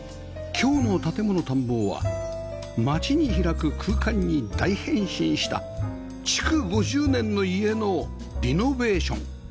今日の『建もの探訪』は街に開く空間に大変身した築５０年の家のリノベーション